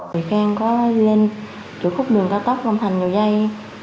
bị can có lên chỗ khúc đường cao tốc long thành nhiều giây